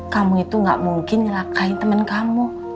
kamu itu gak mungkin ngelakain temen kamu